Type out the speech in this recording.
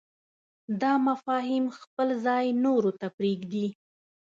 دا مفاهیم خپل ځای نورو ته پرېږدي.